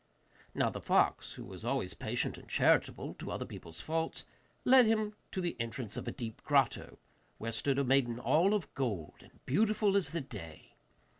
Now, the fox who was always patient and charitable to other people's faults, led him to the entrance of a deep grotto, where stood a maiden all of gold, and beautiful as the day.